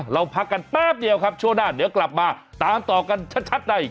เราพักกันแป๊บเดียวครับช่วงหน้าเดี๋ยวกลับมาตามต่อกันชัดใน